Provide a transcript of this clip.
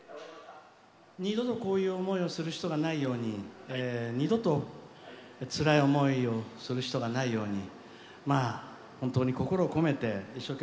二度とこういう思いをする人がないように二度とつらい思いをする人がないようにまあ本当に心を込めて一生懸命歌います。